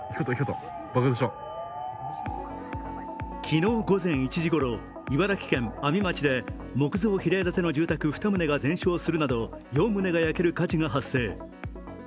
昨日午前１時ごろ、茨城県阿見町で木造平屋建ての住宅２棟が全焼するなど４棟が焼ける火事が発生。